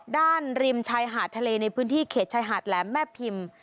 ริมชายหาดทะเลในพื้นที่เขตชายหาดแหลมแม่พิมพ์